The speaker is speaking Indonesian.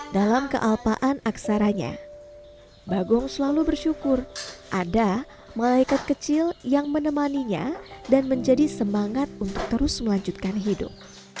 dalam kealpaan aksaranya bagong selalu bersyukur ada malaikat kecil yang menemaninya dan menjadi semangat untuk terus melanjutkan hidup